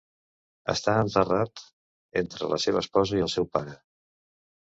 Està enterrat entre la seva esposa i el seu pare.